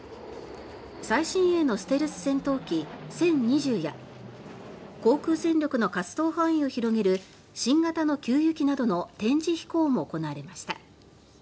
最新鋭のステルス戦闘機「殲２０」や航空戦力の活動範囲を広げる新型の給油機などの展示飛行も行われました。